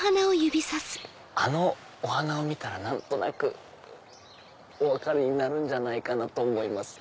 あのお花を見たら何となくお分かりになるんじゃないかなと思います。